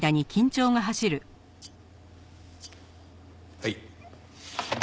はい。